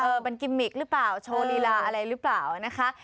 เป็นกิมมิกหรือเปล่าโชว์ลีลาอะไรหรือเปล่านะคะ